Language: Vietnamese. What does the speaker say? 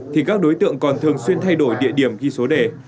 thì các đối tượng còn thường xuyên thay đổi địa điểm ghi số đề